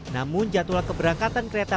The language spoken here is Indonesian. namun jatuhlah keberangkatan kereta